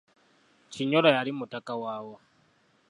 Kinyolo yali mutaka waawa?